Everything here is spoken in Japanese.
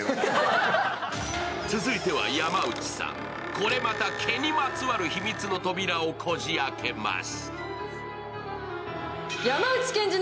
これまた毛にまつわる秘密の扉をこじ開けます。